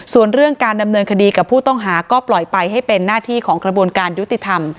ส่วนเรื่องการดำเนินคดีกับผู้ต้องหาก็ปล่อยไปให้เป็นหน้าที่ของกระบวนการยุติธรรม